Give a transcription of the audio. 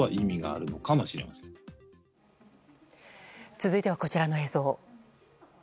続いては、こちらの映像。